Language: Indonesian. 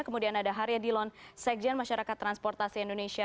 kemudian ada haryadilon sekjen masyarakat transportasi indonesia